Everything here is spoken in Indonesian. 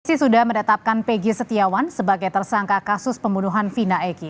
sisi sudah mendetapkan peggy setiawan sebagai tersangka kasus pembunuhan vina egy